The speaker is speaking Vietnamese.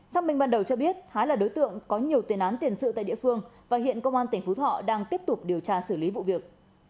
xác minh ban đầu cho biết hái là đối tượng có nhiều tiền án tiền sự tại địa phương và hiện công an tỉnh phú thọ đang tiếp tục điều tra xử lý vụ việc